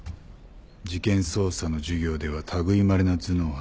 事件捜査の授業では類いまれな頭脳を発揮した。